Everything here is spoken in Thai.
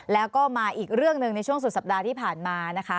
แล้วก็มาอีกเรื่องหนึ่งในช่วงสุดสัปดาห์ที่ผ่านมานะคะ